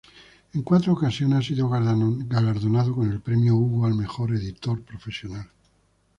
En cuatro ocasiones ha sido galardonado con el Premio Hugo al mejor editor profesional.